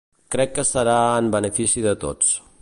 Crec que serà en benefici de tots.